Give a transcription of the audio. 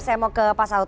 saya mau ke pak saud